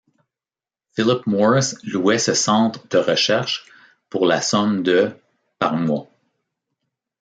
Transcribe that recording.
Philip Morris louait ce centre de recherche pour la somme de par mois.